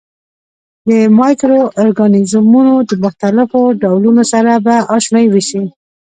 د مایکرو ارګانیزمونو د مختلفو ډولونو سره به آشنايي وشي.